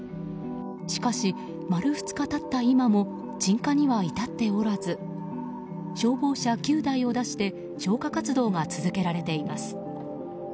しかし、丸２日経った今も鎮火には至っておらず消防車９台を出して消火活動が続けられています。